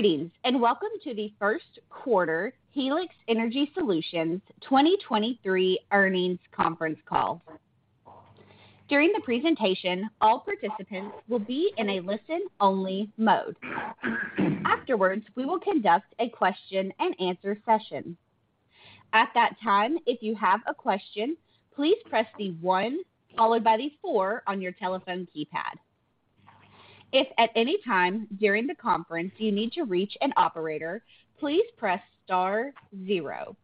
Greetings, and welcome to the first quarter Helix Energy Solutions 2023 earnings conference call. During the presentation, all participants will be in a listen-only mode. Afterwards, we will conduct a question-and-answer session. At that time, if you have a question, please press 1 followed by 4 on your telephone keypad. If at any time during the conference you need to reach an operator, please press star 0.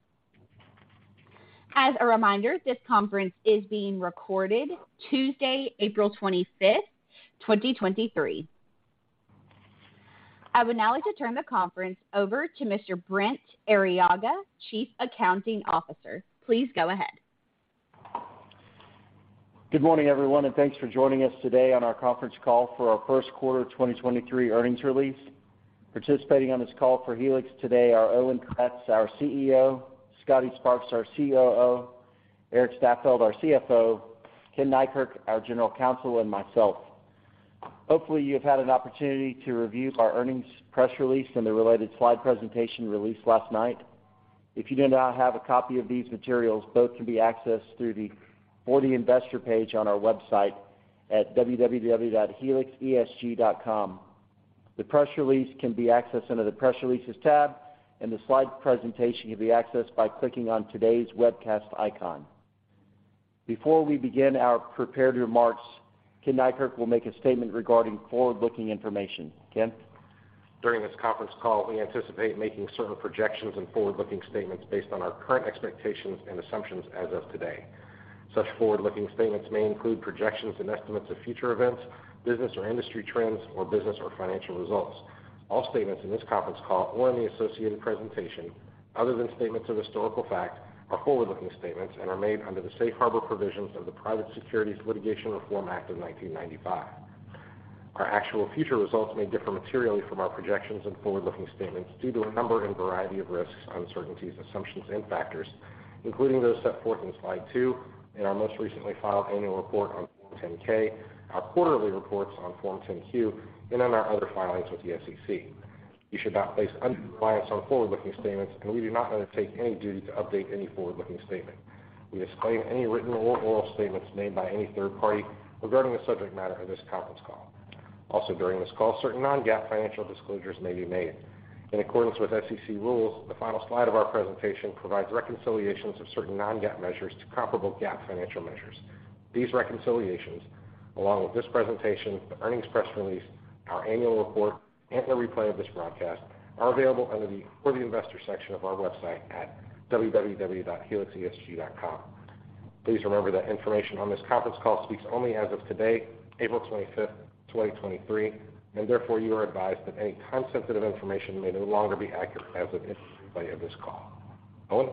As a reminder, this conference is being recorded Tuesday, April 25th, 2023. I would now like to turn the conference over to Mr. Brent Arriaga, Chief Accounting Officer. Please go ahead. Good morning, everyone, thanks for joining us today on our conference call for our 1st quarter 2023 earnings release. Participating on this call for Helix today are Owen Kratz, our CEO, Scotty Sparks, our COO, Erik Staffeldt, our CFO, Ken Neikirk, our General Counsel, and myself. Hopefully, you have had an opportunity to review our earnings press release and the related slide presentation released last night. If you do not have a copy of these materials, both can be accessed through the For the Investor page on our website at www.helixesg.com. The press release can be accessed under the Press Releases tab, and the slide presentation can be accessed by clicking on today's webcast icon. Before we begin our prepared remarks, Ken Neikirk will make a statement regarding forward-looking information. Ken? During this conference call, we anticipate making certain projections and forward-looking statements based on our current expectations and assumptions as of today. Such forward-looking statements may include projections and estimates of future events, business or industry trends, or business or financial results. All statements in this conference call or in the associated presentation, other than statements of historical fact, are forward-looking statements and are made under the safe harbor provisions of the Private Securities Litigation Reform Act of 1995. Our actual future results may differ materially from our projections and forward-looking statements due to a number and variety of risks, uncertainties, assumptions, and factors, including those set forth in slide 2, in our most recently filed annual report on Form 10-K, our quarterly reports on Form 10-Q, and in our other filings with the SEC. You should not place undue reliance on forward-looking statements, and we do not undertake any duty to update any forward-looking statement. We disclaim any written or oral statements made by any third party regarding the subject matter of this conference call. Also, during this call, certain non-GAAP financial disclosures may be made. In accordance with SEC rules, the final slide of our presentation provides reconciliations of certain non-GAAP measures to comparable GAAP financial measures. These reconciliations, along with this presentation, the earnings press release, our annual report, and a replay of this broadcast, are available under the For the Investor section of our website at www.helixesg.com. Please remember that information on this conference call speaks only as of today, April 25th, 2023, and therefore you are advised that any concept of information may no longer be accurate as of this replay of this call. Owen?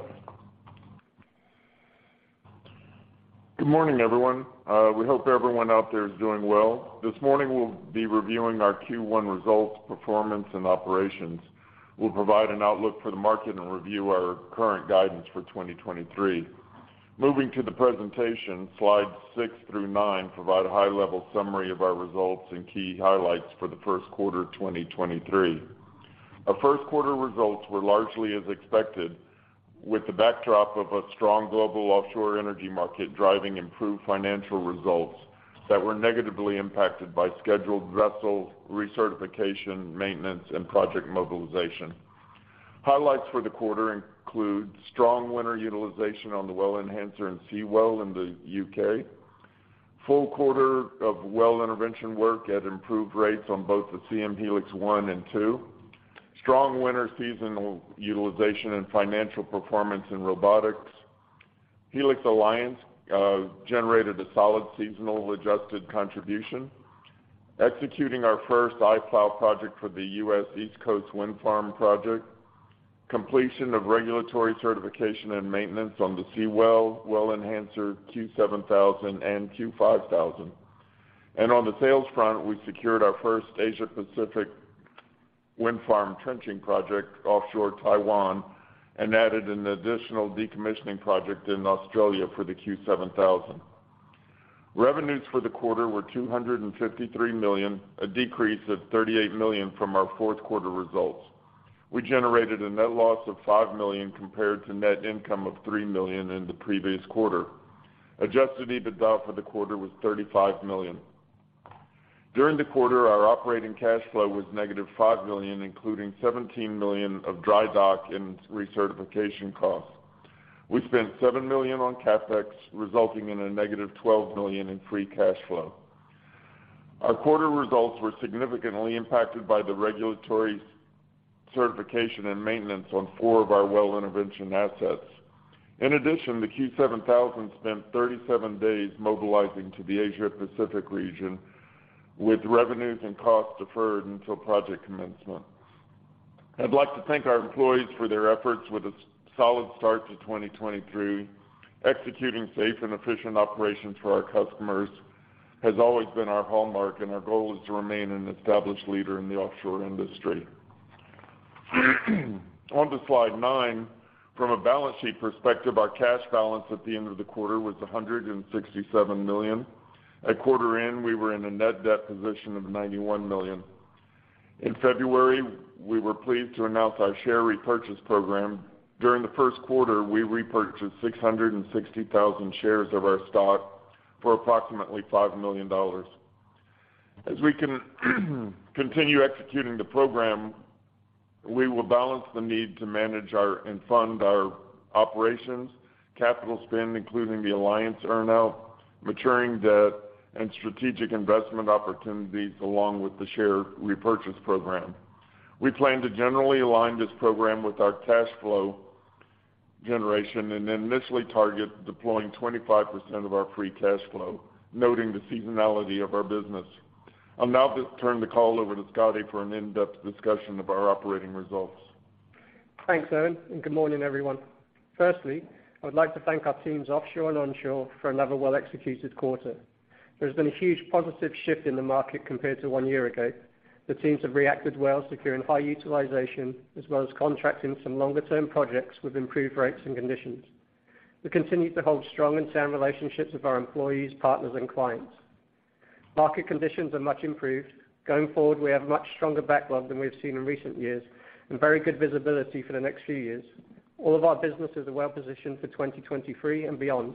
Good morning, everyone. We hope everyone out there is doing well. This morning, we'll be reviewing our Q1 results, performance, and operations. We'll provide an outlook for the market and review our current guidance for 2023. Moving to the presentation, slides 6 through 9 provide a high-level summary of our results and key highlights for the first quarter of 2023. Our first quarter results were largely as expected, with the backdrop of a strong global offshore energy market driving improved financial results that were negatively impacted by scheduled vessel recertification, maintenance, and project mobilization. Highlights for the quarter include strong winter utilization on the Well Enhancer and Seawell in the UK, full quarter of well intervention work at improved rates on both the Siem Helix 1 and 2, strong winter seasonal utilization and financial performance in robotics. Helix Alliance generated a solid seasonal adjusted contribution, executing our first i-Plough project for the U.S. East Coast Wind Farm project, completion of regulatory certification and maintenance on the Seawell, Well Enhancer Q7000 and Q5000. On the sales front, we secured our first Asia-Pacific wind farm trenching project offshore Taiwan and added an additional decommissioning project in Australia for the Q7000. Revenues for the quarter were $253 million, a decrease of $38 million from our fourth quarter results. We generated a net loss of $5 million compared to net income of $3 million in the previous quarter. Adjusted EBITDA for the quarter was $35 million. During the quarter, our operating cash flow was negative $5 million, including $17 million of dry dock and recertification costs. We spent $7 million on CapEx, resulting in a negative $12 million in free cash flow. Our quarter results were significantly impacted by the regulatory certification and maintenance on four of our well intervention assets. The Q7000 spent 37 days mobilizing to the Asia-Pacific region, with revenues and costs deferred until project commencement. I'd like to thank our employees for their efforts with a solid start to 2023. Executing safe and efficient operations for our customers has always been our hallmark, our goal is to remain an established leader in the offshore industry. On to slide 9. From a balance sheet perspective, our cash balance at the end of the quarter was $167 million. At quarter end, we were in a net debt position of $91 million. In February, we were pleased to announce our share repurchase program. During the first quarter, we repurchased 660,000 shares of our stock for approximately $5 million. As we can continue executing the program, we will balance the need to manage our and fund our operations, capital spend, including the Alliance earn out, maturing debt and strategic investment opportunities along with the share repurchase program. We plan to generally align this program with our cash flow generation and initially target deploying 25% of our free cash flow, noting the seasonality of our business. I'll now just turn the call over to Scotty for an in-depth discussion of our operating results. Thanks, Owen, and good morning, everyone. Firstly, I would like to thank our teams offshore and onshore for another well executed quarter. There's been a huge positive shift in the market compared to 1 year ago. The teams have reacted well, securing high utilization as well as contracting some longer-term projects with improved rates and conditions. We continue to hold strong and sound relationships with our employees, partners and clients. Market conditions are much improved. Going forward, we have much stronger backlog than we've seen in recent years and very good visibility for the next few years. All of our businesses are well positioned for 2023 and beyond.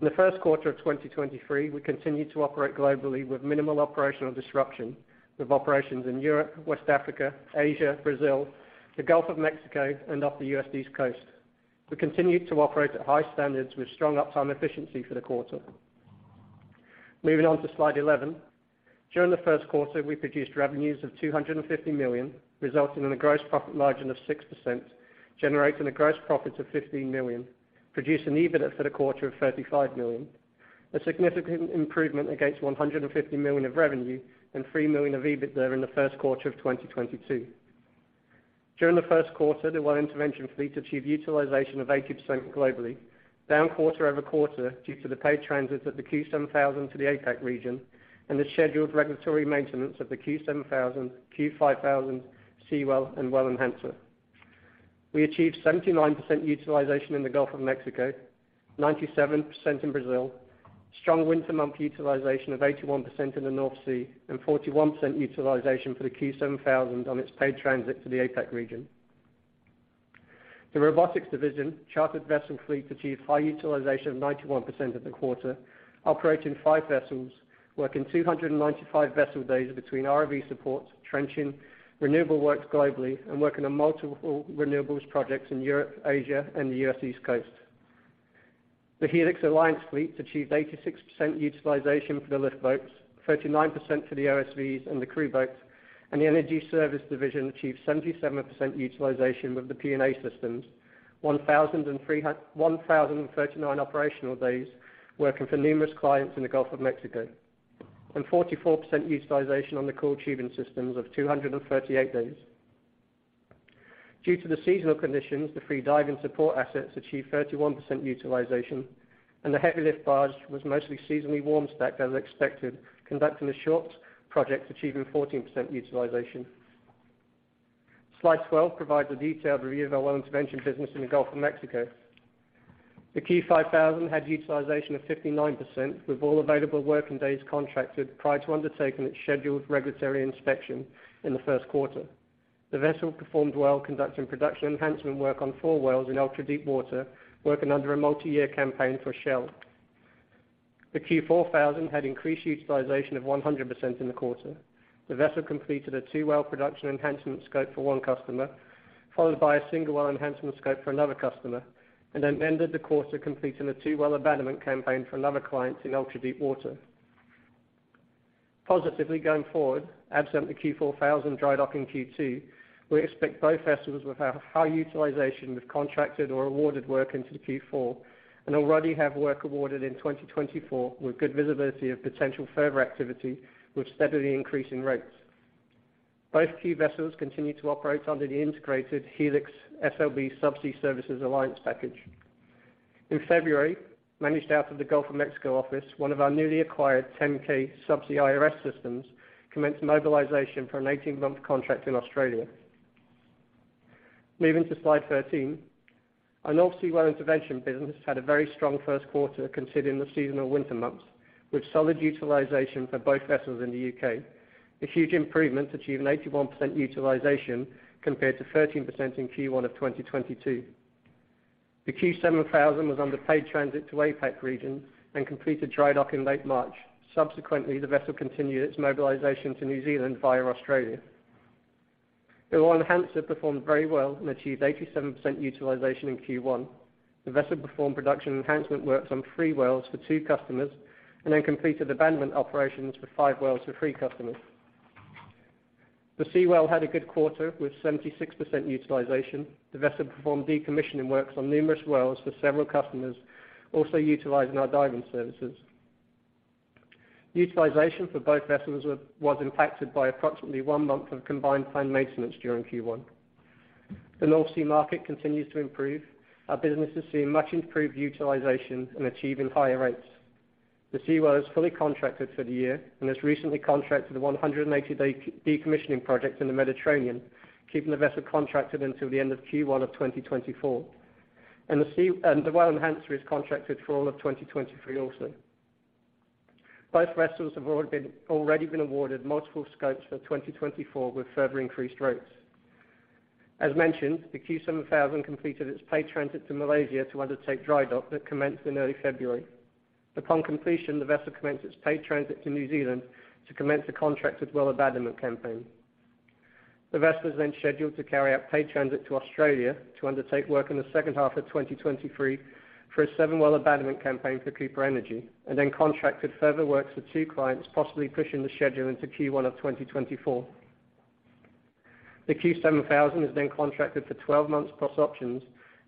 In the first quarter of 2023, we continued to operate globally with minimal operational disruption with operations in Europe, West Africa, Asia, Brazil, the Gulf of Mexico and up the U.S. East Coast. We continued to operate at high standards with strong uptime efficiency for the quarter. Moving on to slide 11. During the first quarter, we produced revenues of $250 million, resulting in a gross profit margin of 6%, generating a gross profit of $15 million, producing EBIT for the quarter of $35 million, a significant improvement against $150 million of revenue and $3 million of EBITDA in the first quarter of 2022. During the first quarter, the well intervention fleet achieved utilization of 80% globally, down quarter-over-quarter due to the paid transit of the Q7000 to the APAC region and the scheduled regulatory maintenance of the Q7000, Q5000, Seawell and Well Enhancer. We achieved 79% utilization in the Gulf of Mexico, 97% in Brazil, strong winter month utilization of 81% in the North Sea, and 41% utilization for the Q7000 on its paid transit to the APAC region. The robotics division chartered vessel fleet achieved high utilization of 91% of the quarter, operating 5 vessels working 295 vessel days between ROV support, trenching, renewable works globally and working on multiple renewables projects in Europe, Asia and the US East Coast. The Helix Alliance fleet achieved 86% utilization for the lift boats, 39% for the OSVs and the crew boats, and the energy service division achieved 77% utilization with the P&A systems. 1,039 operational days working for numerous clients in the Gulf of Mexico. 44% utilization on the Coiled Tubing systems of 238 days. Due to the seasonal conditions, the three diving support assets achieved 31% utilization. The heavy lift barge was mostly seasonally warm stacked as expected, conducting a short project achieving 14% utilization. Slide 12 provides a detailed review of our well intervention business in the Gulf of Mexico. The Q5000 had utilization of 59% with all available working days contracted prior to undertaking its scheduled regulatory inspection in the first quarter. The vessel performed well, conducting production enhancement work on four wells in ultra-deep water, working under a multi-year campaign for Shell. The Q4000 had increased utilization of 100% in the quarter. The vessel completed a two well production enhancement scope for one customer, followed by a single well enhancement scope for another customer, and then ended the quarter completing a two well abandonment campaign for another client in ultra-deep water. Positively going forward, absent the Q4000 dry dock in Q2, we expect both vessels will have high utilization with contracted or awarded work into Q4 and already have work awarded in 2024 with good visibility of potential further activity with steadily increasing rates. Both Q vessels continue to operate under the integrated Helix SLB Subsea Services Alliance package. In February, managed out of the Gulf of Mexico office, one of our newly acquired 10k Subsea IRS systems commenced mobilization for an 18-month contract in Australia. Moving to slide 13. Our North Sea well intervention business had a very strong first quarter considering the seasonal winter months with solid utilization for both vessels in the U.K. Huge improvement achieving 81% utilization compared to 13% in Q1 of 2022. The Q7000 was under paid transit to APAC region and completed dry dock in late March. Subsequently, the vessel continued its mobilization to New Zealand via Australia. The Well Enhancer performed very well and achieved 87% utilization in Q1. The vessel performed production enhancement works on three wells for two customers and then completed abandonment operations for five wells for three customers. The Seawell had a good quarter with 76% utilization. The vessel performed decommissioning works on numerous wells for several customers, also utilizing our diving services. Utilization for both vessels was impacted by approximately 1 month of combined planned maintenance during Q1. The North Sea market continues to improve. Our business is seeing much improved utilization and achieving higher rates. The Seawell is fully contracted for the year and has recently contracted a 180-day decommissioning project in the Mediterranean, keeping the vessel contracted until the end of Q1 of 2024. The Well Enhancer is contracted for all of 2023 also. Both vessels have already been awarded multiple scopes for 2024 with further increased rates. As mentioned, the Q7000 completed its paid transit to Malaysia to undertake dry dock that commenced in early February. Upon completion, the vessel commenced its paid transit to New Zealand to commence a contract with Well Abandonment campaign. The vessel is scheduled to carry out paid transit to Australia to undertake work in the second half of 2023 for a seven-well abandonment campaign for Cooper Energy, contracted further works with two clients, possibly pushing the schedule into Q1 of 2024. The Q7000 is contracted for 12 months plus options,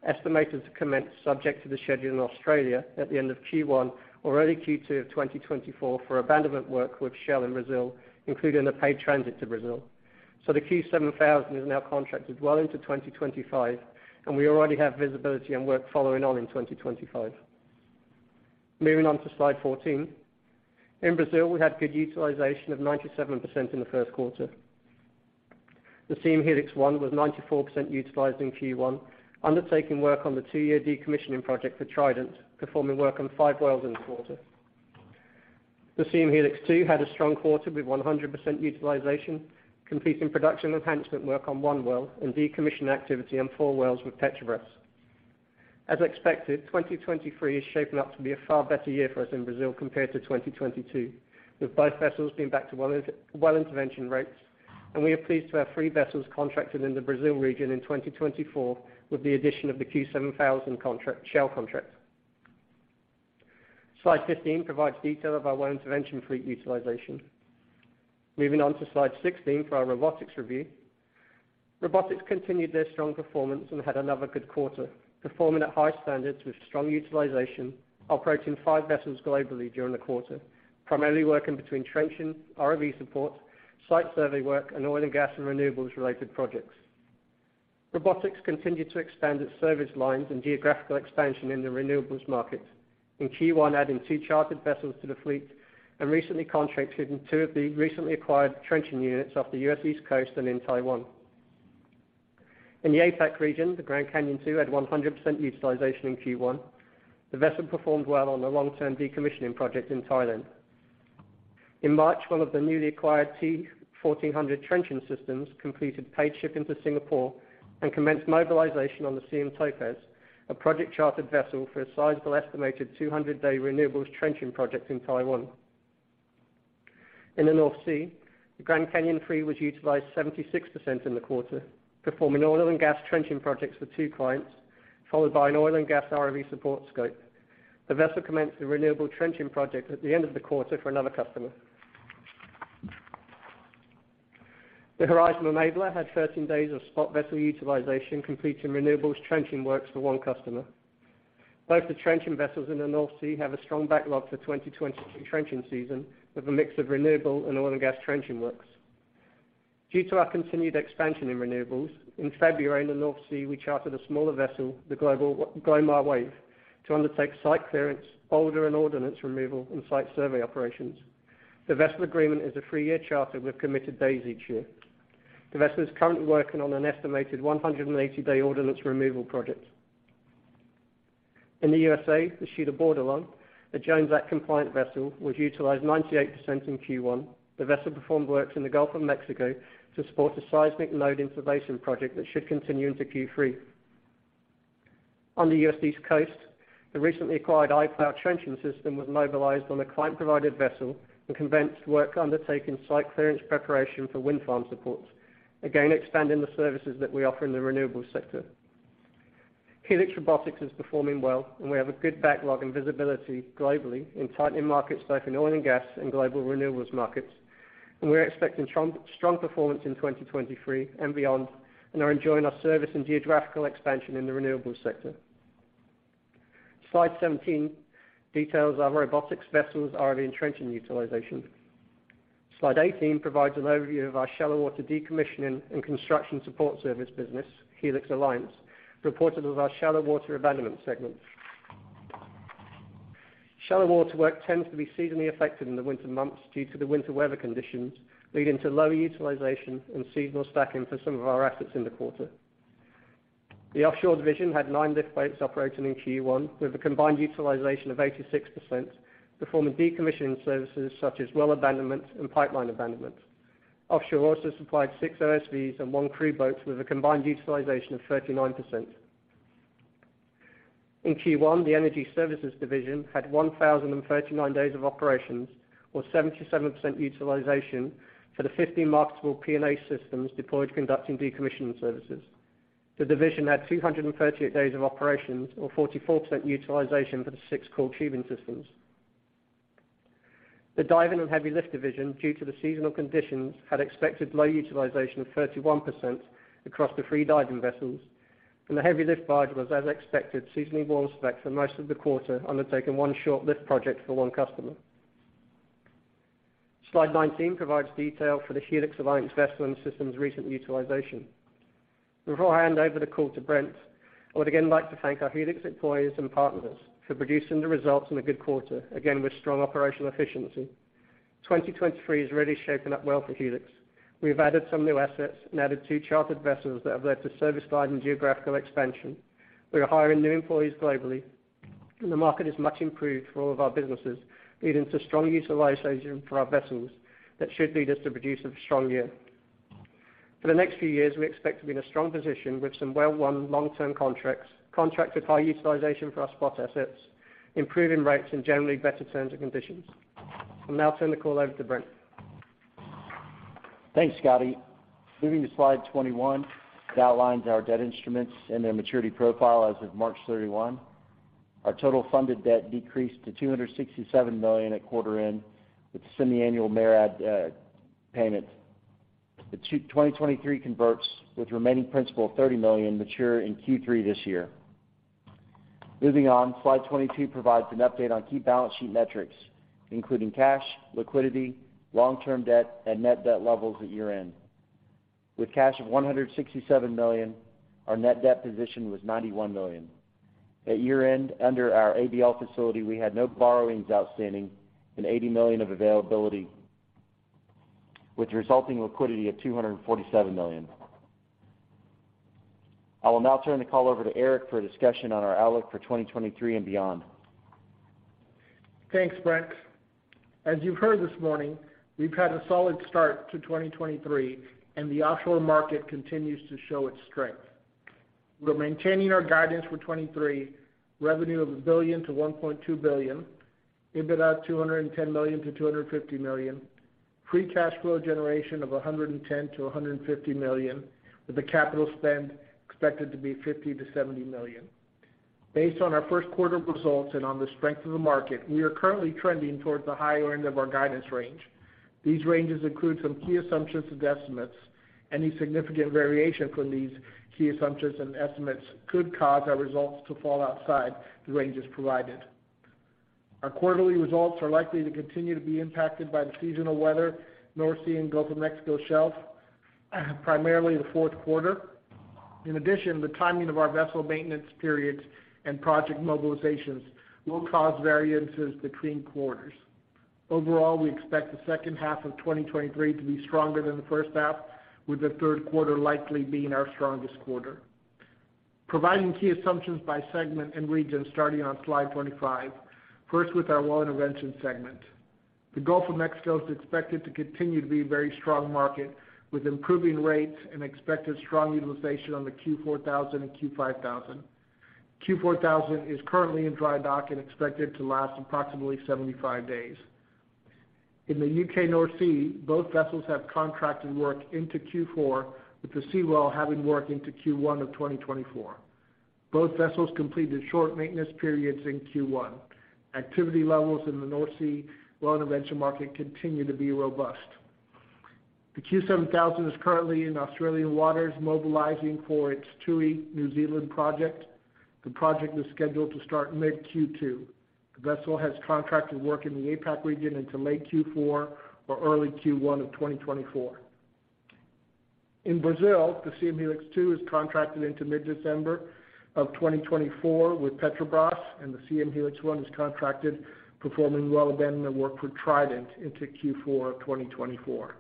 estimated to commence subject to the schedule in Australia at the end of Q1 or early Q2 of 2024 for abandonment work with Shell in Brazil, including a paid transit to Brazil. The Q7000 is now contracted well into 2025, and we already have visibility on work following on in 2025. Moving on to slide 14. In Brazil, we had good utilization of 97% in the first quarter. The Siem Helix 1 was 94% utilized in Q1, undertaking work on the 2-year decommissioning project for Trident, performing work on 5 wells in the quarter. The Siem Helix 2 had a strong quarter with 100% utilization, completing production enhancement work on 1 well, and decommissioning activity on 4 wells with Petrobras. As expected, 2023 is shaping up to be a far better year for us in Brazil compared to 2022, with both vessels being back to well inter-well intervention rates. We are pleased to have 3 vessels contracted in the Brazil region in 2024 with the addition of the Q7000 contract, Shell contract. Slide 15 provides detail of our well intervention fleet utilization. Moving on to slide 16 for our robotics review. Robotics continued their strong performance and had another good quarter, performing at high standards with strong utilization, operating 5 vessels globally during the quarter, primarily working between trenching, ROV support, site survey work, and oil and gas and renewables related projects. Robotics continued to expand its service lines and geographical expansion in the renewables market, in Q1 adding 2 chartered vessels to the fleet, and recently contracted 2 of the recently acquired trenching units off the U.S. East Coast and in Taiwan. In the APAC region, the Grand Canyon II had 100% utilization in Q1. The vessel performed well on a long-term decommissioning project in Thailand. In March, one of the newly acquired T-1400 trenching systems completed paid ship into Singapore and commenced mobilization on the Siem Topaz, a project-chartered vessel for a sizable estimated 200-day renewables trenching project in Taiwan. In the North Sea, the Grand Canyon III was utilized 76% in the quarter, performing oil and gas trenching projects for two clients, followed by an oil and gas ROV support scope. The vessel commenced the renewable trenching project at the end of the quarter for another customer. The Horizon Enabler had 13 days of spot vessel utilization, completing renewables trenching works for one customer. Both the trenching vessels in the North Sea have a strong backlog for 2022 trenching season with a mix of renewable and oil and gas trenching works. Due to our continued expansion in renewables, in February in the North Sea, we chartered a smaller vessel, the Glomar Wave, to undertake site clearance, boulder and ordnance removal, and site survey operations. The vessel agreement is a three-year charter with committed days each year. The vessel is currently working on an estimated 180-day ordnance removal project. In the USA, the Shelia Bordelon, a Jones Act compliant vessel, was utilized 98% in Q1. The vessel performed works in the Gulf of Mexico to support the seismic load inflation project that should continue into Q3. On the U.S. East Coast, the recently acquired i-Plough trenching system was mobilized on a client-provided vessel and commenced work undertaking site clearance preparation for wind farm support, again expanding the services that we offer in the renewables sector. Helix Robotics is performing well, and we have a good backlog and visibility globally in tightening markets both in oil and gas and global renewables markets. We're expecting strong performance in 2023 and beyond, and are enjoying our service and geographical expansion in the renewables sector. Slide 17 details our robotics vessels yearly trenching utilization. Slide 18 provides an overview of our shallow water decommissioning and construction support service business, Helix Alliance, reported of our shallow water abandonment segment. Shallow water work tends to be seasonally affected in the winter months due to the winter weather conditions, leading to low utilization and seasonal stacking for some of our assets in the quarter. The offshore division had 9 lift boats operating in Q1, with a combined utilization of 86%, performing decommissioning services such as well abandonment and pipeline abandonment. Offshore also supplied 6 OSVs and 1 crew boat with a combined utilization of 39%. In Q1, the energy services division had 1,039 days of operations or 77% utilization for the 50 marketable P&A systems deployed conducting decommissioning services. The division had 238 days of operations or 44% utilization for the 6 Coiled Tubing systems. The diving and heavy lift division, due to the seasonal conditions, had expected low utilization of 31% across the 3 diving vessels, and the heavy lift barge was, as expected, seasonally warm stacked for most of the quarter, undertaking 1 short lift project for 1 customer. Slide 19 provides detail for the Helix Alliance vessel and systems recent utilization. Before I hand over the call to Brent, I would again like to thank our Helix employees and partners for producing the results in a good quarter, again with strong operational efficiency. 2023 is really shaping up well for Helix. We have added some new assets and added 2 chartered vessels that have led to service guide and geographical expansion. We are hiring new employees globally, and the market is much improved for all of our businesses, leading to strong utilization for our vessels that should lead us to produce a strong year. For the next few years, we expect to be in a strong position with some well-won long-term contracts, contracted high utilization for our spot assets, improving rates and generally better terms and conditions. I'll now turn the call over to Brent. Thanks, Scotty. Moving to slide 21, it outlines our debt instruments and their maturity profile as of March 31. Our total funded debt decreased to $267 million at quarter end with semiannual MARAD payment. The 2023 converts with remaining principal of $30 million mature in Q3 this year. Moving on, slide 22 provides an update on key balance sheet metrics, including cash, liquidity, long-term debt, and net debt levels at year-end. With cash of $167 million, our net debt position was $91 million. At year-end, under our ABL facility, we had no borrowings outstanding and $80 million of availability with resulting liquidity of $247 million. I will now turn the call over to Erik for a discussion on our outlook for 2023 and beyond. Thanks, Brent. As you've heard this morning, we've had a solid start to 2023, and the offshore market continues to show its strength. We're maintaining our guidance for 2023, revenue of $1 billion-$1.2 billion, EBITDA $210 million-$250 million, free cash flow generation of $110 million-$150 million, with the capital spend expected to be $50 million-$70 million. Based on our first quarter results and on the strength of the market, we are currently trending towards the higher end of our guidance range. These ranges include some key assumptions and estimates. Any significant variation from these key assumptions and estimates could cause our results to fall outside the ranges provided. Our quarterly results are likely to continue to be impacted by the seasonal weather, North Sea and Gulf of Mexico Shelf, primarily the fourth quarter. In addition, the timing of our vessel maintenance periods and project mobilizations will cause variances between quarters. Overall, we expect the second half of 2023 to be stronger than the first half, with the third quarter likely being our strongest quarter. Providing key assumptions by segment and region starting on slide 25. First, with our Well Intervention segment. The Gulf of Mexico is expected to continue to be a very strong market, with improving rates and expected strong utilization on the Q4000 and Q5000. Q4000 is currently in dry dock and expected to last approximately 75 days. In the UK North Sea, both vessels have contracted work into Q4, with the Seawell having work into Q1 of 2024. Both vessels completed short maintenance periods in Q1. Activity levels in the North Sea Well Intervention market continue to be robust. The Q7000 is currently in Australian waters, mobilizing for its Tui New Zealand project. The project is scheduled to start mid-Q2. The vessel has contracted work in the APAC region into late Q4 or early Q1 of 2024. In Brazil, the Siem Helix 2 is contracted into mid-December of 2024 with Petrobras, and the Siem Helix 1 is contracted, performing well abandonment work for Trident into Q4 of 2024.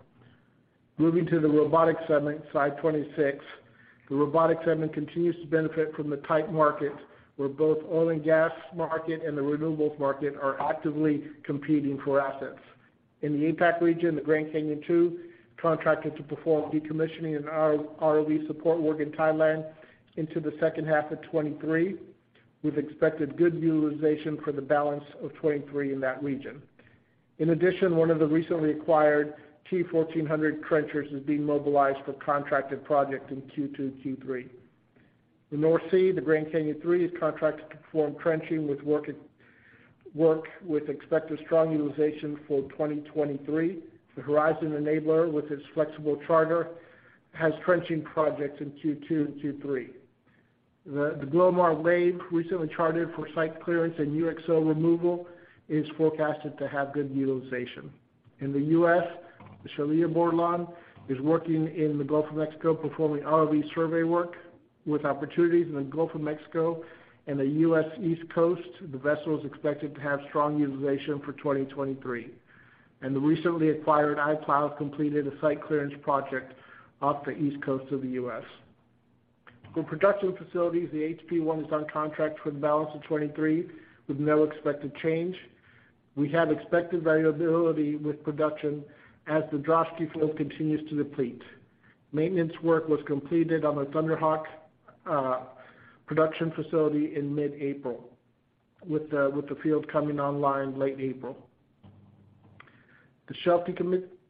Moving to the Robotics segment, slide 26. The Robotics segment continues to benefit from the tight market, where both oil and gas market and the renewables market are actively competing for assets. In the APAC region, the Grand Canyon II contracted to perform decommissioning and ROV support work in Thailand into the second half of 2023. We've expected good utilization for the balance of 2023 in that region. In addition, one of the recently acquired T-1400 trenchers is being mobilized for contracted project in Q2, Q3. The North Sea, the Grand Canyon III is contracted to perform trenching with work with expected strong utilization for 2023. The Horizon Enabler, with its flexible charter, has trenching projects in Q2 and Q3. The Glomar Wave, recently chartered for site clearance and UXO removal, is forecasted to have good utilization. In the U.S., the Shelia Bordelon is working in the Gulf of Mexico, performing ROV survey work. With opportunities in the Gulf of Mexico and the U.S. East Coast, the vessel is expected to have strong utilization for 2023. The recently acquired i-Plough completed a site clearance project off the East Coast of the U.S. For production facilities, the HP1 is on contract for the balance of 2023 with no expected change. We have expected variability with production as the Droshky field continues to deplete. Maintenance work was completed on the Thunder Hawk production facility in mid-April, with the field coming online late April.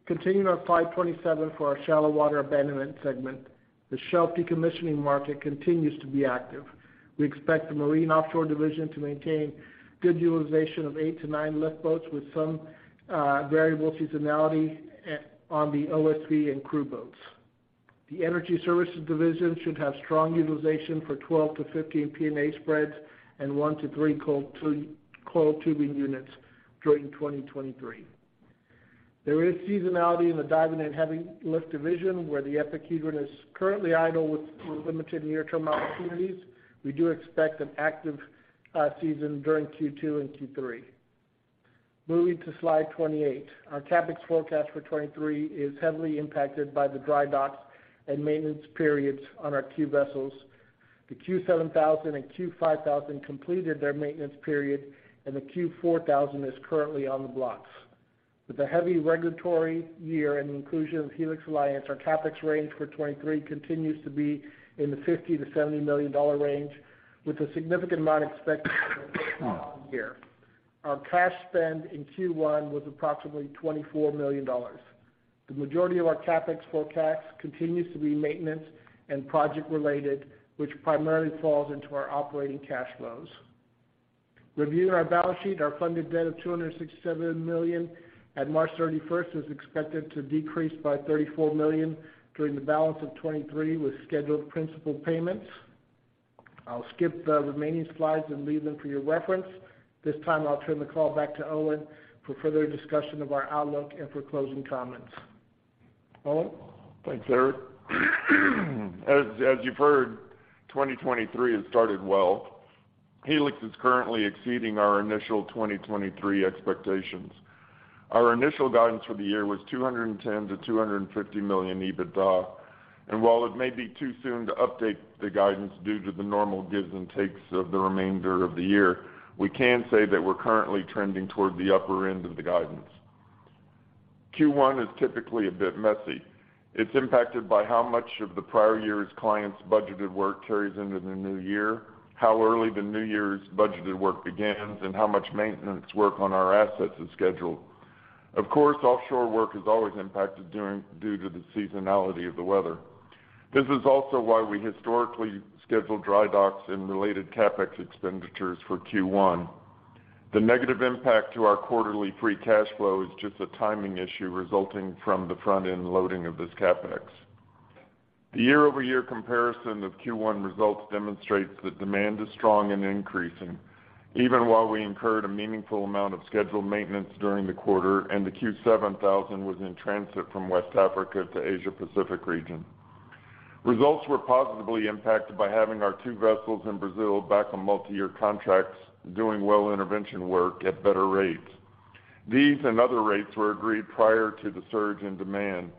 Continuing on slide 27 for our Shallow Water Abandonment segment. The shelf decommissioning market continues to be active. We expect the marine offshore division to maintain good utilization of 8-9 lift boats with some variable seasonality on the OSV and crew boats. The energy services division should have strong utilization for 12-15 P&A spreads and 1-3 Coiled Tubing units during 2023. There is seasonality in the diving and heavy lift division, where the Epic Egret is currently idle with limited near-term opportunities. We do expect an active season during Q2 and Q3. Moving to slide 28. Our CapEx forecast for 2023 is heavily impacted by the dry docks and maintenance periods on our Q vessels. The Q7000 and Q5000 completed their maintenance period, and the Q4000 is currently on the blocks. With a heavy regulatory year and the inclusion of Helix Alliance, our CapEx range for 2023 continues to be in the $50 million-$70 million range with a significant amount expected here. Our cash spend in Q1 was approximately $24 million. The majority of our CapEx forecast continues to be maintenance and project related, which primarily falls into our operating cash flows. Reviewing our balance sheet, our funded debt of $267 million at March 31st is expected to decrease by $34 million during the balance of 2023 with scheduled principal payments. I'll skip the remaining slides and leave them for your reference. At this time, I'll turn the call back to Owen for further discussion of our outlook and for closing comments. Owen? Thanks, Erik. As you've heard, 2023 has started well. Helix is currently exceeding our initial 2023 expectations. Our initial guidance for the year was $210 million-$250 million EBITDA. While it may be too soon to update the guidance due to the normal gives and takes of the remainder of the year, we can say that we're currently trending toward the upper end of the guidance. Q1 is typically a bit messy. It's impacted by how much of the prior year's clients budgeted work carries into the new year, how early the new year's budgeted work begins, and how much maintenance work on our assets is scheduled. Of course, offshore work is always impacted due to the seasonality of the weather. This is also why we historically schedule dry docks and related CapEx expenditures for Q1. The negative impact to our quarterly free cash flow is just a timing issue resulting from the front-end loading of this CapEx. The year-over-year comparison of Q1 results demonstrates that demand is strong and increasing, even while we incurred a meaningful amount of scheduled maintenance during the quarter. The Q7000 was in transit from West Africa to Asia Pacific region. Results were positively impacted by having our 2 vessels in Brazil back on multiyear contracts, doing well intervention work at better rates. These and other rates were agreed prior to the surge in demand.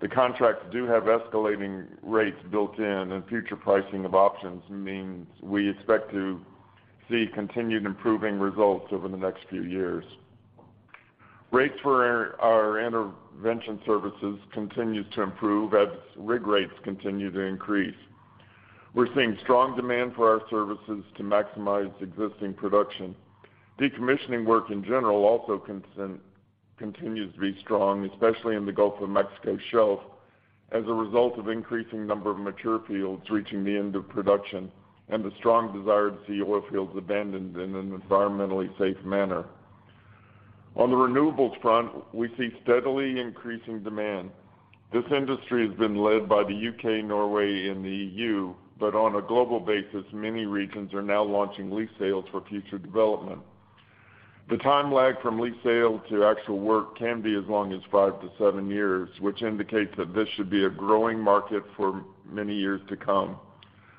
The contracts do have escalating rates built in, and future pricing of options means we expect to see continued improving results over the next few years. Rates for our intervention services continue to improve as rig rates continue to increase. We're seeing strong demand for our services to maximize existing production. Decommissioning work in general also continues to be strong, especially in the Gulf of Mexico Shelf, as a result of increasing number of mature fields reaching the end of production and the strong desire to see oil fields abandoned in an environmentally safe manner. On the renewables front, we see steadily increasing demand. This industry has been led by the U.K., Norway, and the E.U., but on a global basis, many regions are now launching lease sales for future development. The time lag from lease sale to actual work can be as long as 5-7 years, which indicates that this should be a growing market for many years to come.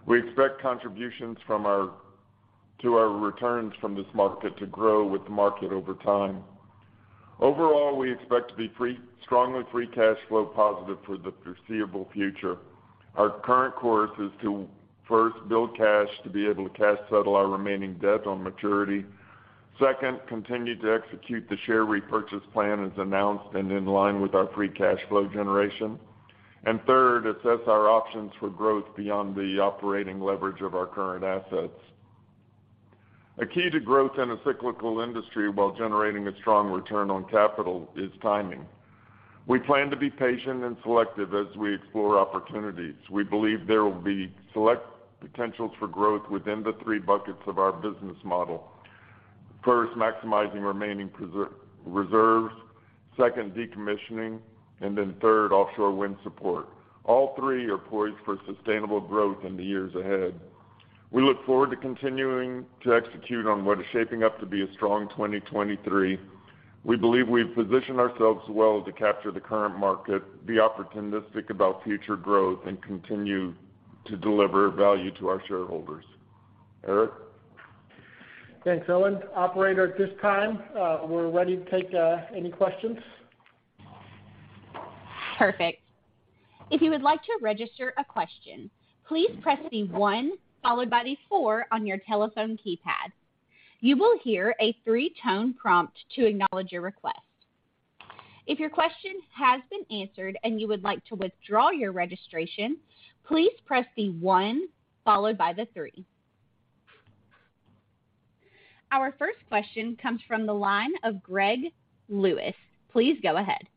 We expect contributions to our returns from this market to grow with the market over time. Overall, we expect to be strongly free cash flow positive for the foreseeable future. Our current course is to, first, build cash to be able to cash settle our remaining debt on maturity. Second, continue to execute the share repurchase plan as announced and in line with our free cash flow generation. Third, assess our options for growth beyond the operating leverage of our current assets. A key to growth in a cyclical industry while generating a strong return on capital is timing. We plan to be patient and selective as we explore opportunities. We believe there will be select potentials for growth within the 3 buckets of our business model. First, maximizing remaining reserves. Second, decommissioning. Third, offshore wind support. All 3 are poised for sustainable growth in the years ahead. We look forward to continuing to execute on what is shaping up to be a strong 2023. We believe we've positioned ourselves well to capture the current market, be opportunistic about future growth, and continue to deliver value to our shareholders. Erik? Thanks, Owen. Operator, at this time, we're ready to take any questions. Perfect. If you would like to register a question, please press the one followed by the four on your telephone keypad. You will hear a three-tone prompt to acknowledge your request. If your question has been answered and you would like to withdraw your registration, please press the one followed by the three. Our first question comes from the line of Gregory Lewis. Please go ahead.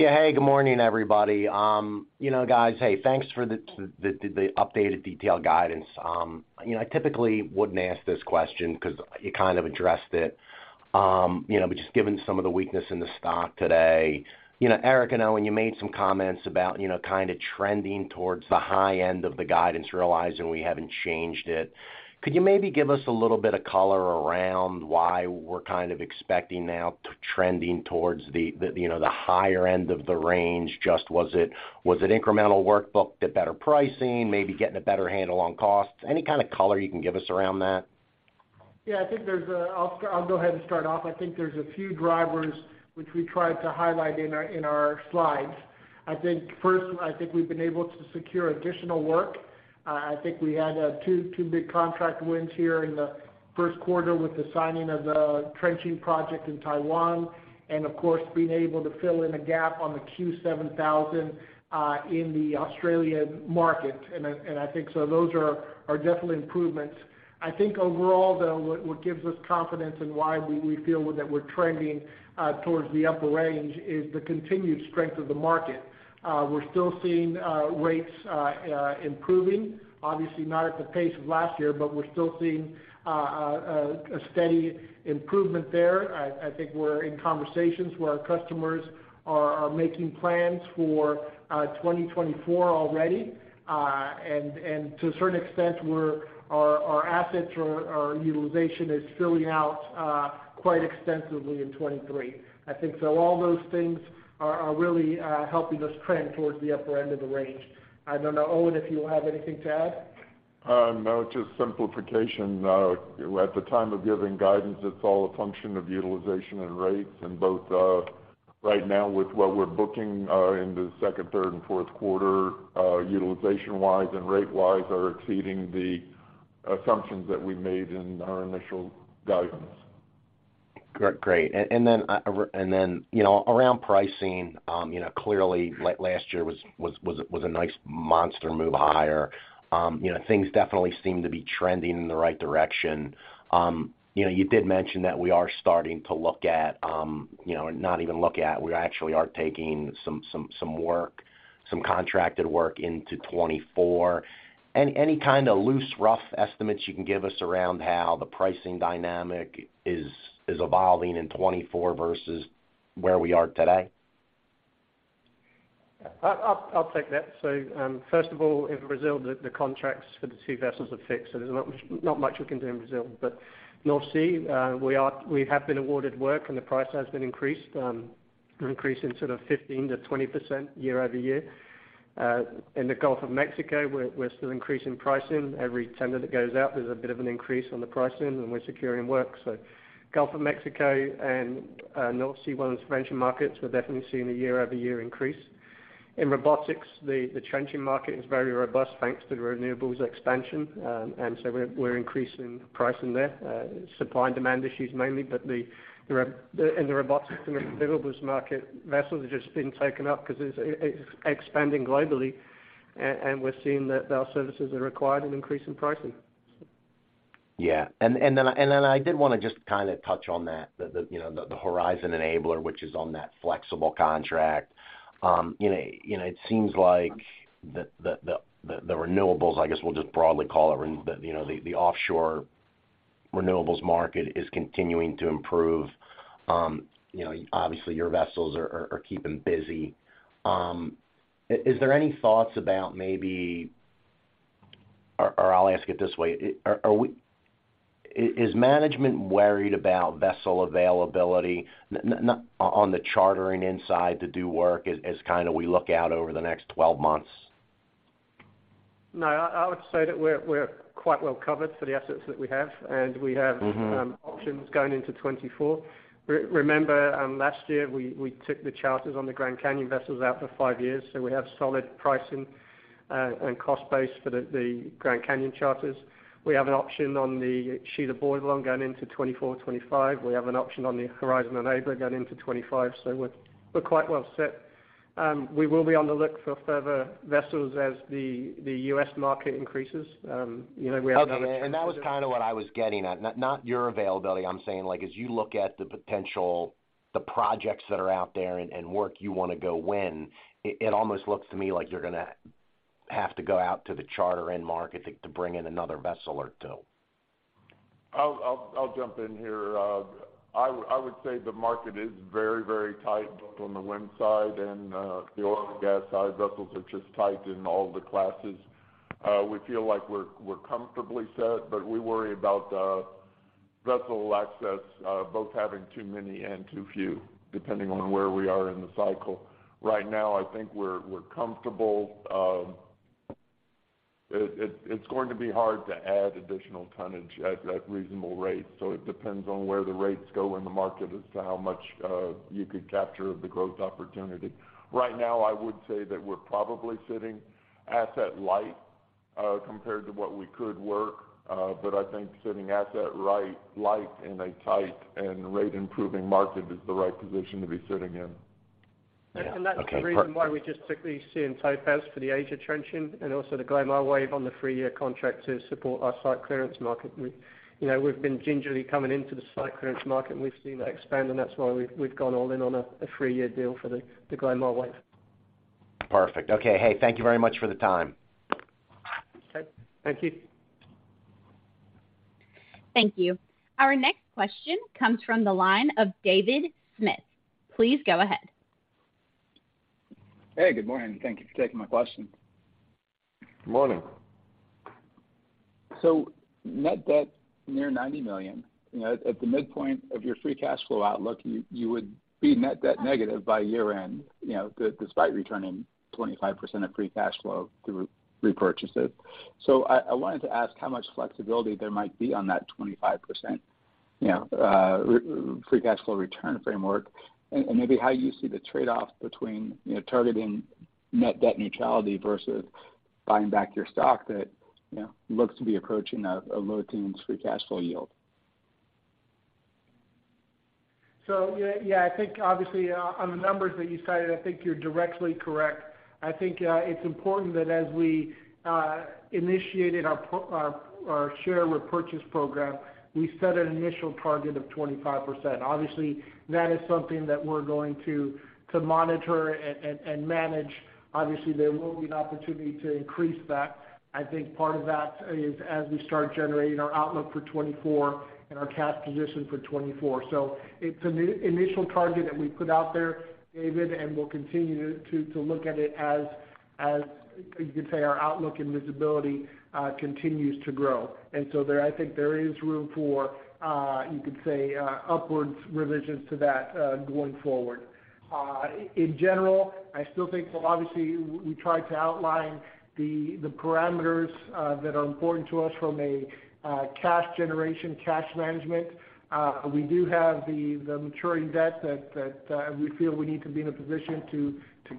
Yeah. Hey, good morning, everybody. You know, guys, hey, thanks for the updated detailed guidance. You know, I typically wouldn't ask this question because you kind of addressed it. Just given some of the weakness in the stock today, you know, Erik, I know when you made some comments about, you know, kind of trending towards the high end of the guidance, realizing we haven't changed it. Could you maybe give us a little bit of color around why we're kind of expecting now trending towards the, you know, the higher end of the range? Just was it incremental workbook, the better pricing, maybe getting a better handle on costs? Any kind of color you can give us around that? Yeah, I'll go ahead and start off. I think there's a few drivers which we tried to highlight in our slides. I think first, I think we've been able to secure additional work. I think we had 2 big contract wins here in the first quarter with the signing of the trenching project in Taiwan, and of course, being able to fill in a gap on the Q7000 in the Australian market. I think so those are definitely improvements. I think overall, though, what gives us confidence in why we feel that we're trending towards the upper range is the continued strength of the market. We're still seeing rates improving, obviously not at the pace of last year, but we're still seeing a steady improvement there. I think we're in conversations where our customers are making plans for 2024 already. To a certain extent, our assets or our utilization is filling out quite extensively in 2023. I think so all those things are really helping us trend towards the upper end of the range. I don't know, Owen, if you have anything to add. No, just simplification. At the time of giving guidance, it's all a function of utilization and rates. Both, right now with what we're booking, in the 2nd, 3rd, and 4th quarter, utilization-wise and rate-wise are exceeding the assumptions that we made in our initial guidance. Great. Then, you know, around pricing, you know, clearly last year was a nice monster move higher. You know, things definitely seem to be trending in the right direction. You know, you did mention that we are starting to look at, you know, not even look at, we actually are taking some work, some contracted work into 2024. Any kind of loose, rough estimates you can give us around how the pricing dynamic is evolving in 2024 versus where we are today? I'll take that. First of all, in Brazil, the contracts for the two vessels are fixed, so there's not much we can do in Brazil. North Sea, we have been awarded work and the price has been increased, an increase in sort of 15%-20% year-over-year. In the Gulf of Mexico, we're still increasing pricing. Every tender that goes out, there's a bit of an increase on the pricing, and we're securing work. Gulf of Mexico and North Sea well intervention markets, we're definitely seeing a year-over-year increase. In robotics, the trenching market is very robust, thanks to the renewables expansion. We're increasing pricing there, supply and demand issues mainly. In the robotics and renewables market, vessels are just being taken up because it's expanding globally, and we're seeing that our services are required and increasing pricing. Yeah. Then I did wanna just kind of touch on that, the, you know, the Horizon Enabler, which is on that flexible contract. You know, you know, it seems like the renewables, I guess we'll just broadly call it, you know, the offshore renewables market is continuing to improve. You know, obviously, your vessels are keeping busy. Is there any thoughts about maybe... I'll ask it this way. Is management worried about vessel availability not on the chartering inside to do work as kind of we look out over the next 12 months? No, I would say that we're quite well covered for the assets that we have. Mm-hmm options going into 2024. Remember, last year, we took the charters on the Grand Canyon vessels out for 5 years, so we have solid pricing and cost base for the Grand Canyon charters. We have an option on the Siem Barracuda going into 2024, 2025. We have an option on the Horizon Enabler going into 2025, so we're quite well set. We will be on the look for further vessels as the US market increases. You know, we have. Okay. That was kind of what I was getting at. Not your availability. I'm saying, like, as you look at the potential, the projects that are out there and work you wanna go win, it almost looks to me like you're gonna have to go out to the charter end market to bring in another vessel or two. I'll jump in here. I would say the market is very, very tight, both on the wind side and the oil and gas side. Vessels are just tight in all the classes. We feel like we're comfortably set, but we worry about vessel access, both having too many and too few, depending on where we are in the cycle. Right now, I think we're comfortable. It's going to be hard to add additional tonnage at reasonable rates, so it depends on where the rates go in the market as to how much you could capture of the growth opportunity. Right now, I would say that we're probably sitting asset light, compared to what we could work. I think sitting asset-light in a tight and rate-improving market is the right position to be sitting in. That's the reason why we just took the Siem Topaz for the Asia trenching and also the Glomar Wave on the three-year contract to support our site clearance market. We, you know, we've been gingerly coming into the site clearance market, and we've seen that expand, and that's why we've gone all in on a three-year deal for the Glomar Wave. Perfect. Okay. Hey, thank you very much for the time. Okay. Thank you. Thank you. Our next question comes from the line of David Smith. Please go ahead. Hey, good morning. Thank you for taking my question. Good morning. Net debt near $90 million. You know, at the midpoint of your free cash flow outlook, you would be net debt negative by year-end, you know, despite returning 25% of free cash flow through repurchases. I wanted to ask how much flexibility there might be on that 25%, you know, re-free cash flow return framework and maybe how you see the trade-off between, you know, targeting net debt neutrality versus buying back your stock that, you know, looks to be approaching a low teens free cash flow yield? Yeah, yeah, I think obviously, on the numbers that you cited, I think you're directly correct. I think it's important that as we initiated our share repurchase program, we set an initial target of 25%. Obviously, that is something that we're going to monitor and manage. Obviously, there will be an opportunity to increase that. I think part of that is as we start generating our outlook for 2024 and our cash position for 2024. It's an initial target that we put out there, David, and we'll continue to look at it as you could say, our outlook and visibility continues to grow. I think there is room for you could say, upwards revisions to that going forward. In general, I still think, obviously, we tried to outline the parameters that are important to us from a cash generation, cash management. We do have the maturing debt that we feel we need to be in a position to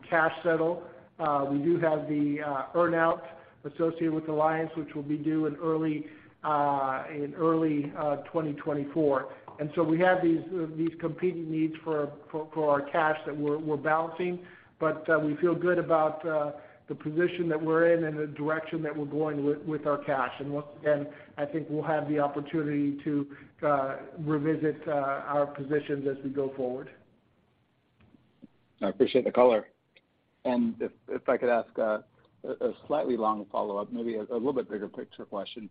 cash settle. We do have the earn-out associated with Alliance, which will be due in early 2024. We have these competing needs for our cash that we're balancing, we feel good about the position that we're in and the direction that we're going with our cash. Once again, I think we'll have the opportunity to revisit our positions as we go forward. I appreciate the color. If, if I could ask a slightly long follow-up, maybe a little bit bigger picture question.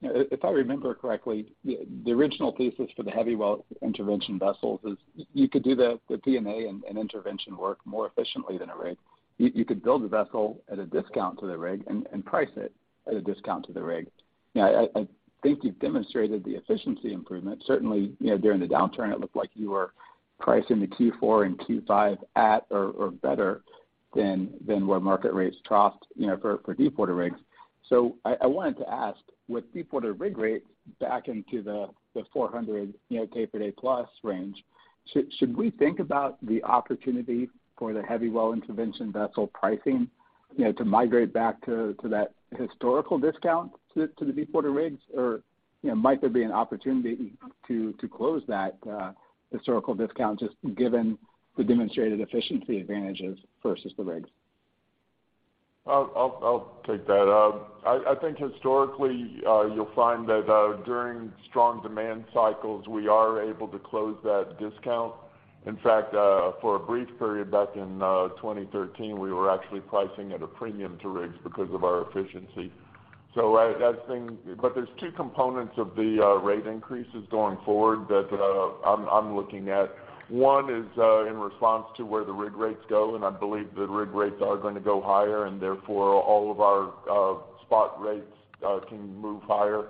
You know, if I remember correctly, the original thesis for the heavy well intervention vessels is you could do the D&A and intervention work more efficiently than a rig. You, you could build a vessel at a discount to the rig and price it at a discount to the rig. Now I think you've demonstrated the efficiency improvement. Certainly, you know, during the downturn, it looked like you were pricing the Q4 and Q5 at or better than where market rates troughed, you know, for deepwater rigs. I wanted to ask, with deepwater rig rates back into the $400, you know, day-for-day plus range, should we think about the opportunity for the heavy well intervention vessel pricing, you know, to migrate back to that historical discount to the deepwater rigs? Or, you know, might there be an opportunity to close that historical discount just given the demonstrated efficiency advantages versus the rigs? I'll take that. I think historically, you'll find that during strong demand cycles, we are able to close that discount. In fact, for a brief period back in 2013, we were actually pricing at a premium to rigs because of our efficiency. I think. There's two components of the rate increases going forward that I'm looking at. One is in response to where the rig rates go, and I believe the rig rates are gonna go higher, and therefore, all of our spot rates can move higher.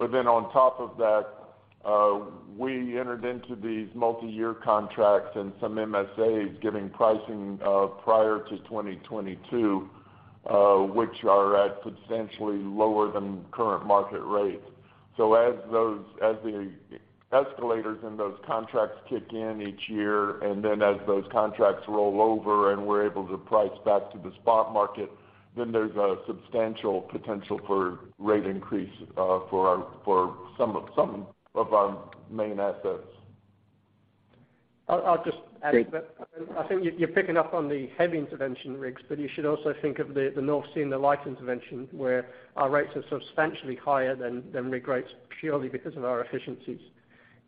On top of that, we entered into these multiyear contracts and some MSAs giving pricing prior to 2022, which are at substantially lower than current market rates. As the escalators in those contracts kick in each year, and then as those contracts roll over and we're able to price back to the spot market, then there's a substantial potential for rate increase, for some of our main assets. I'll just add. Great that I think you're picking up on the heavy intervention rigs, but you should also think of the North Sea and the light intervention, where our rates are substantially higher than rig rates purely because of our efficiencies.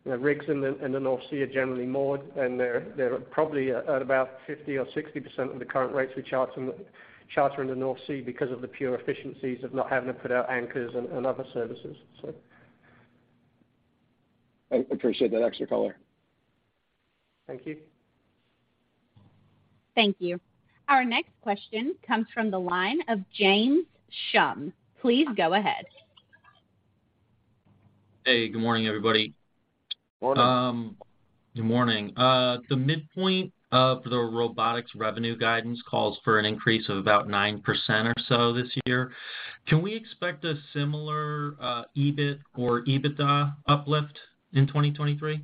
You know, rigs in the North Sea are generally moored, and they're probably at about 50% or 60% of the current rates we charter in the North Sea because of the pure efficiencies of not having to put out anchors and other services, so. I appreciate that extra color. Thank you. Thank you. Our next question comes from the line of James Schumm. Please go ahead. Hey, good morning, everybody. Morning. Good morning. The midpoint of the robotics revenue guidance calls for an increase of about 9% or so this year. Can we expect a similar EBIT or EBITDA uplift in 2023?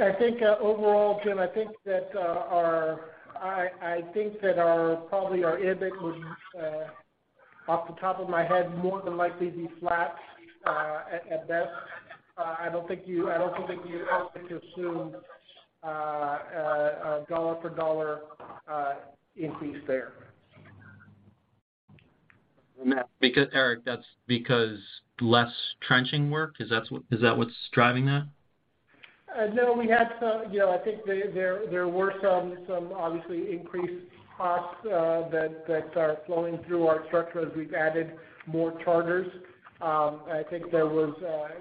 I think overall, Jim, I think that our, I think that our, probably our EBIT would Off the top of my head, more than likely be flat, at best. I don't think you assume a dollar for dollar increase there. Matt, Eric, that's because less trenching work? Is that what's driving that? No, we had some. You know, I think there were some obviously increased costs that are flowing through our structure as we've added more charters. I think there was,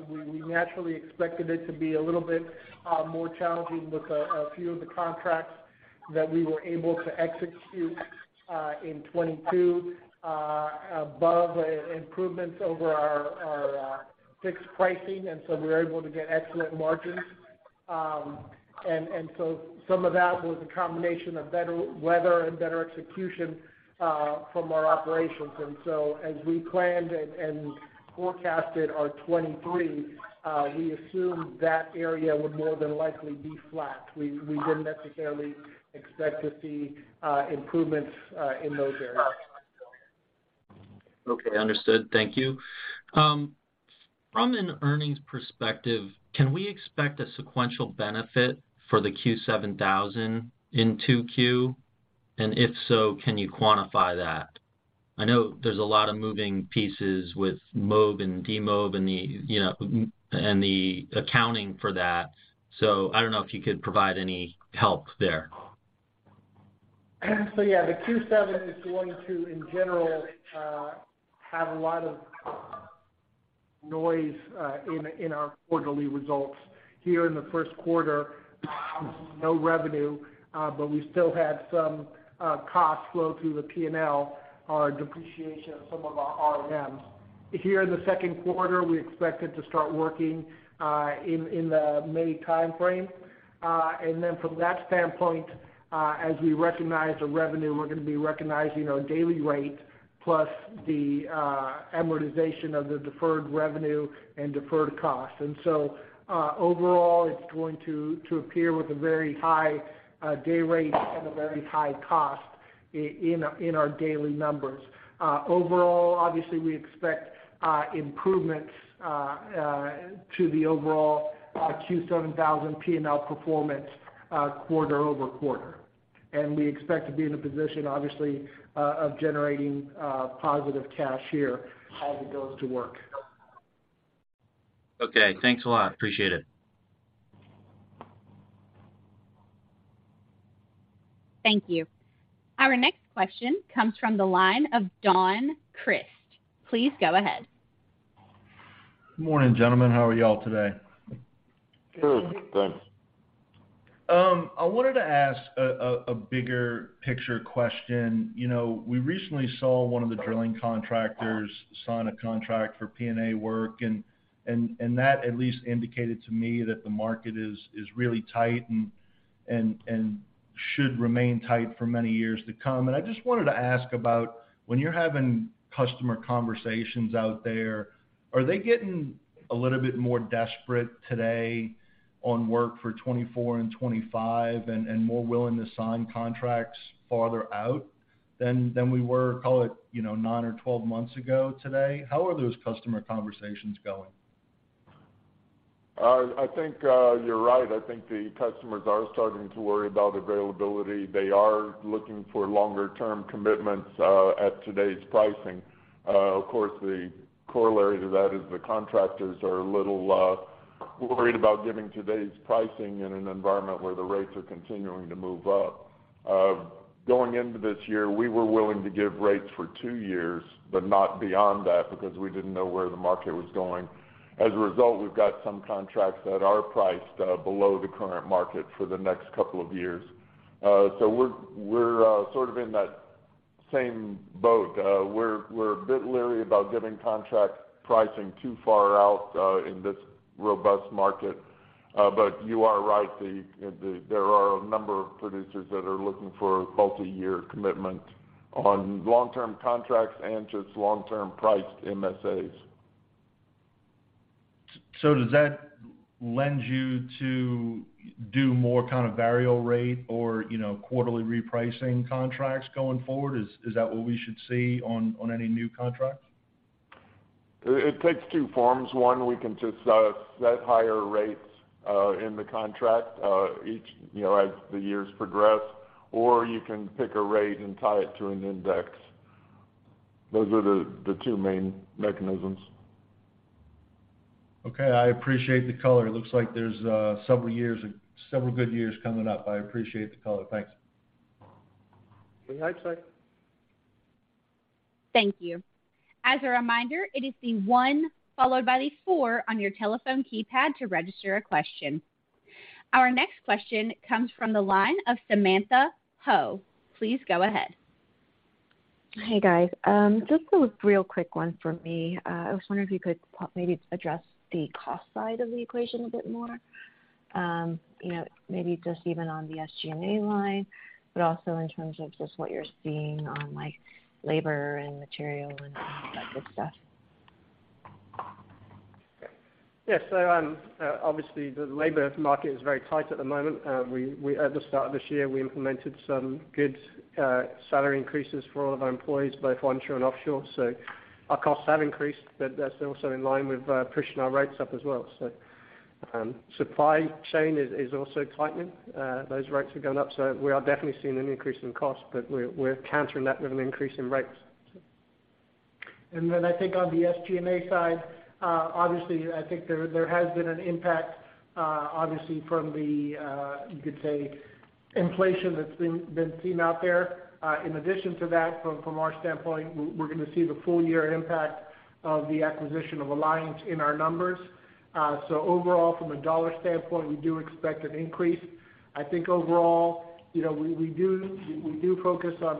we naturally expected it to be a little bit more challenging with a few of the contracts that we were able to execute in 2022, above improvements over our fixed pricing. We were able to get excellent margins. Some of that was a combination of better weather and better execution from our operations. As we planned and forecasted our 2023, we assumed that area would more than likely be flat. We didn't necessarily expect to see improvements in those areas. Okay. Understood. Thank you. From an earnings perspective, can we expect a sequential benefit for the Q7000 in 2Q? If so, can you quantify that? I know there's a lot of moving pieces with MOB and DMOB and the, you know, and the accounting for that. I don't know if you could provide any help there. Yeah, the Q7 is going to, in general, have a lot of noise in our quarterly results. Here in the first quarter, no revenue, but we still had some costs flow through the P&L on depreciation of some of our ROVs. Here in the second quarter, we expect it to start working in the May timeframe. Then from that standpoint, as we recognize the revenue, we're gonna be recognizing our daily rate, plus the amortization of the deferred revenue and deferred cost. Overall, it's going to appear with a very high day rate and a very high cost in our daily numbers. Overall, obviously, we expect improvements to the overall Q7000 P&L performance quarter-over-quarter. We expect to be in a position, obviously, of generating, positive cash here as it goes to work. Okay. Thanks a lot. Appreciate it. Thank you. Our next question comes from the line of Donald Crist. Please go ahead. Morning, gentlemen. How are y'all today? Good. Good. I wanted to ask a bigger picture question. You know, we recently saw one of the drilling contractors sign a contract for P&A work and that at least indicated to me that the market is really tight and should remain tight for many years to come. I just wanted to ask about when you're having customer conversations out there, are they getting a little bit more desperate today on work for 2024 and 2025 and more willing to sign contracts farther out than we were, call it, you know, 9 or 12 months ago today? How are those customer conversations going? I think you're right. I think the customers are starting to worry about availability. They are looking for longer term commitments at today's pricing. Of course, the corollary to that is the contractors are a little worried about giving today's pricing in an environment where the rates are continuing to move up. Going into this year, we were willing to give rates for 2 years, but not beyond that because we didn't know where the market was going. As a result, we've got some contracts that are priced below the current market for the next couple of years. We're sort of in that same boat. We're a bit leery about giving contract pricing too far out in this robust market. You are right. There are a number of producers that are looking for multi-year commitment on long-term contracts and just long-term priced MSAs. Does that lend you to do more kind of variable rate or, you know, quarterly repricing contracts going forward? Is that what we should see on any new contracts? It takes two forms. One, we can just set higher rates in the contract, each, you know, as the years progress, or you can pick a rate and tie it to an index. Those are the two main mechanisms. Okay. I appreciate the color. It looks like there's several good years coming up. I appreciate the color. Thanks. We hope so. Thank you. As a reminder, it is the one followed by the four on your telephone keypad to register a question. Our next question comes from the line of Samantha Hoh. Please go ahead. Hey, guys. Just a real quick one for me. I was wondering if you could maybe address the cost side of the equation a bit more. You know, maybe just even on the SG&A line, but also in terms of just what you're seeing on like labor and material and all that good stuff. Yes. Obviously, the labor market is very tight at the moment. We at the start of this year, we implemented some good salary increases for all of our employees, both onshore and offshore. Our costs have increased, but that's also in line with pushing our rates up as well. Supply chain is also tightening. Those rates are going up, we are definitely seeing an increase in costs, but we're countering that with an increase in rates. I think on the SG&A side, obviously, I think there has been an impact, obviously from the, you could say inflation that's been seen out there. In addition to that, from our standpoint, we're gonna see the full year impact of the acquisition of Alliance in our numbers. Overall, from a dollar standpoint, we do expect an increase. I think overall, you know, we do focus on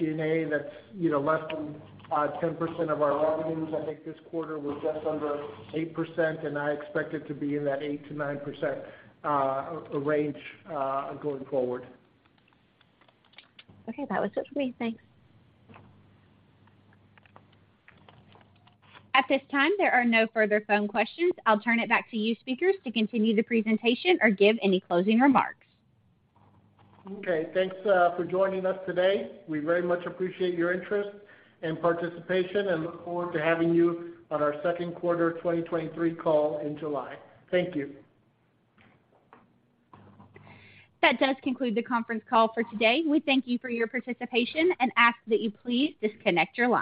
SG&A that's, you know, less than 10% of our revenues. I think this quarter was just under 8%, and I expect it to be in that 8%-9% range going forward. Okay. That was it for me. Thanks. At this time, there are no further phone questions. I'll turn it back to you speakers to continue the presentation or give any closing remarks. Okay. Thanks for joining us today. We very much appreciate your interest and participation. We look forward to having you on our second quarter 2023 call in July. Thank you. That does conclude the conference call for today. We thank you for your participation and ask that you please disconnect your lines.